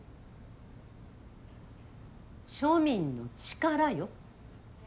庶民の力よ。